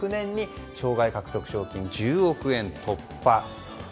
１４年に生涯獲得賞金１０億円突破。